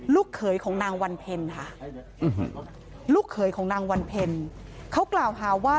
เขยของนางวันเพ็ญค่ะลูกเขยของนางวันเพ็ญเขากล่าวหาว่า